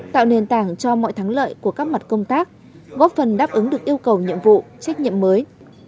tạo nền tảng cho mọi thắng lợi của các mặt công tác góp phần đáp ứng được yêu cầu nhiệm vụ trách nhiệm mới